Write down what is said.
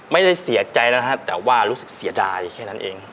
ไม่ได้เสียใจแล้วนะครับแต่ว่ารู้สึกเสียดายแค่นั้นเอง